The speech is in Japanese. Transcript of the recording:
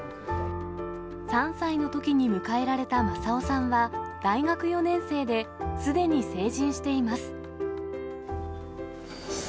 ３歳のときに迎えられた正夫さんは大学４年生で、すでに成人しています。